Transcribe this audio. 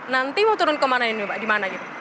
nanti mau turun ke mana ini mbak gimana gitu